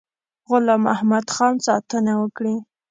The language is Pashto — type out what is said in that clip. غلام محمدخان ساتنه وکړي.